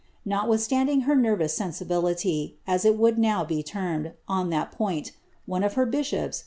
Notwithstanding her nervous sensibility, as it would BOW be termed, on that point, one of her bishops.